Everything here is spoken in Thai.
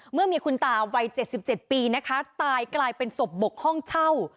เมื่อมีคุณตาวัย๗๗ปีนะคะตายกลายเป็นศพบกห้องเช่า